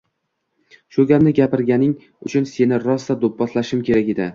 Shu gapni gapirganing uchun seni rosa doʻpposlashim kerak edi.